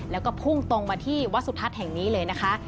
แล้วก็พุ่งตรงมาที่วัดสุทัศน์แห่งนี้เลยนะคะ